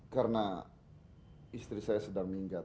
karena istri saya sudah meninggat